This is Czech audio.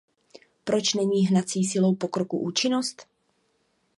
Proč není hnací silou pokroku účinnost?